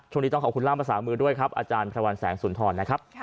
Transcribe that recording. ช่วงนี้ต้องขอบคุณล่ามภาษามือด้วยครับอาจารย์พระวันแสงสุนทรนะครับ